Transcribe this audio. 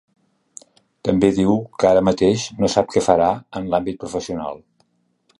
També diu que ara mateix no sap que farà en l’àmbit professional.